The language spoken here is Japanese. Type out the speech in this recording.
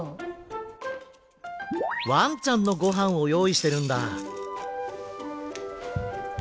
わんちゃんのごはんをよういしてるんだ。